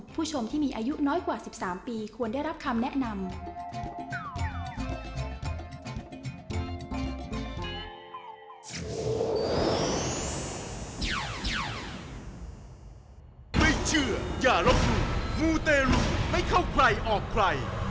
ผู้ชมที่มีอายุน้อยกว่า๑๓ปีควรได้รับคำแนะนำ